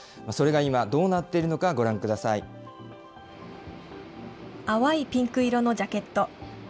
それが今、どうなっているのか、淡いピンク色のジャケット。